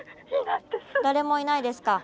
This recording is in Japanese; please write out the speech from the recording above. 誰もいないですか？